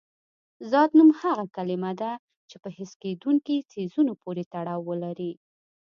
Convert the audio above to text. ذات نوم هغه کلمه ده چې په حس کېدونکي څیزونو پورې تړاو ولري.